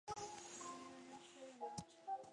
中华人民共和国县级以上行政区列表